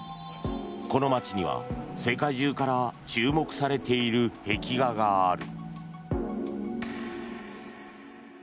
この街には世界中から注目されている壁画がある。